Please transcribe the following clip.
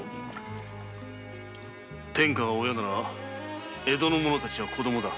天下が親なら江戸の者たちは子供だ。